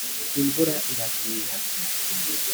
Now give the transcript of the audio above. imvura iraguye.